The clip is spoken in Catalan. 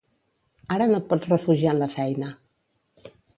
Ara no et pots refugiar en la feina.